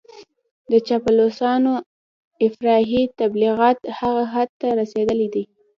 د چاپلوسانو افراطي تبليغات هغه حد ته رسېدلي دي.